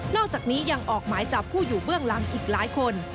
อกจากนี้ยังออกหมายจับผู้อยู่เบื้องหลังอีกหลายคน